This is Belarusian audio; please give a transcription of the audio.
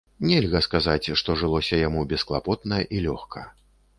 Нельга сказаць, што жылося яму бесклапотна і лёгка.